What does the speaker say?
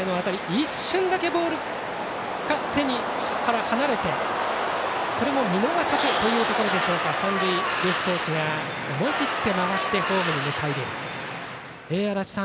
一瞬だけボールが手から離れてそれを見逃さずというところで三塁ベースコーチが思い切って回してホームに向かいました。